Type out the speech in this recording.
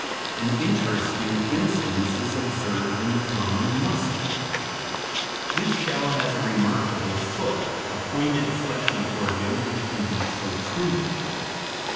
An interesting instance is observed in the common mussel. This shell has a remarkable foot, a pointed, fleshy organ which can be protruded.